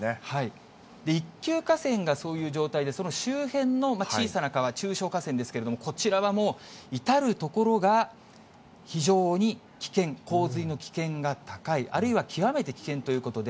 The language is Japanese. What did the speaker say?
一級河川がそういう状態で、その周辺の小さな川、中小河川ですけれども、こちらはもう至る所が非常に危険、洪水の危険が高い、あるいは極めて危険ということで。